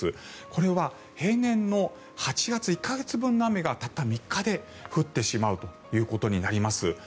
これは平年の８月１か月分の雨がたった３日で降ってしまうということになります。